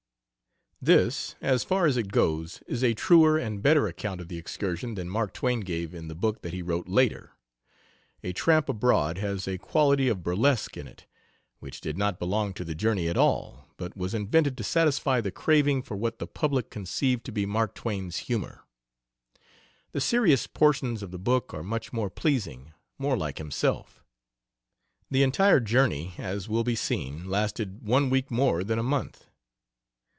This, as far as it goes, is a truer and better account of the excursion than Mark Twain gave in the book that he wrote later. A Tramp Abroad has a quality of burlesque in it, which did not belong to the journey at all, but was invented to satisfy the craving for what the public conceived to be Mark Twain's humor. The serious portions of the book are much more pleasing more like himself. The entire journey, as will be seen, lasted one week more than a month.